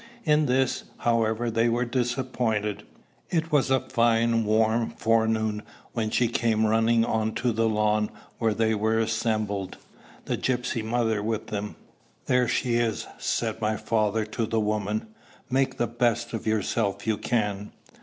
In this, however, they were disappointed. It was a fine warm forenoon when she came running on to the lawn where they were assembled, the gypsy mother with them. "There she is!" said my father to the woman. "Make the best of yourself you can."